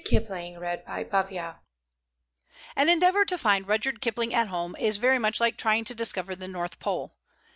RUDYARD KIPLING An endeavor to find Rudyard Kipling at home is very much like trying to discover the North Pole.